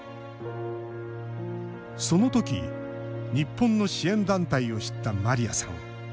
そのとき日本の支援団体を知ったマリアさん。